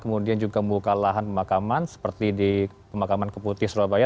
kemudian juga membuka lahan pemakaman seperti di pemakaman keputih surabaya